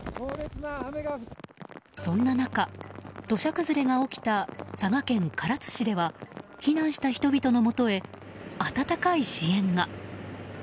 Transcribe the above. そんな中、土砂崩れが起きた佐賀県唐津市では避難した人々のもとへ温かい支援が。